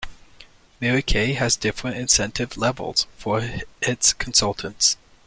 Mary Kay has different incentive levels for its consultants.